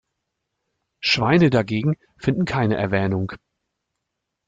Schweine dagegen finden keine Erwähnung.